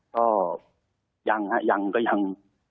ก็ยังฮะยังก็ยัง